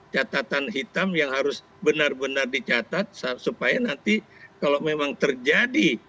catatan hitam yang harus benar benar dicatat supaya nanti kalau memang terjadi